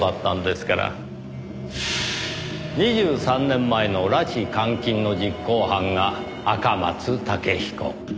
２３年前の拉致監禁の実行犯が赤松建彦。